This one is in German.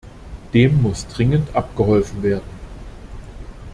Dem muss dringend abgeholfen werden.